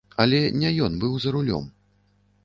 Але не ён быў за рулём.